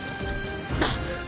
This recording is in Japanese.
あっ！